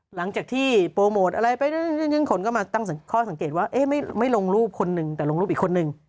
หลังจากที่โปรโมทอะไรไปซึ่งคนก็มาตั้งข้อสังเกตว่าไม่ลงรูปคนหนึ่งแต่ลงรูปอีกคนนึง